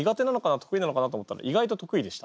得意なのかな？と思ったら意外と得意でした。